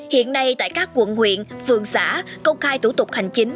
hiện nay tại các quận huyện phường xã công khai thủ tục hành chính